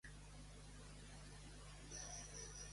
És fill de Martha Ross i el germà gran de Jonathan Ross.